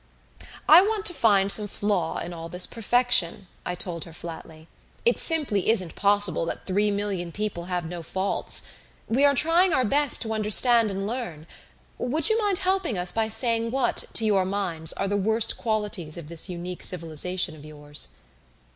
"I want to find some flaw in all this perfection," I told her flatly. "It simply isn't possible that three million people have no faults. We are trying our best to understand and learn would you mind helping us by saying what, to your minds, are the worst qualities of this unique civilization of yours?"